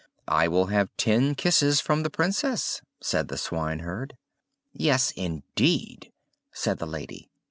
"I will have ten kisses from the Princess," said the swineherd. "Yes, indeed!" said the lady.